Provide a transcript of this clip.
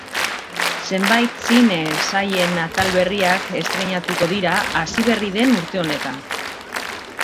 Zenbait zine sailen atal berriak estreinatuko dira hasi berri den urte honetan.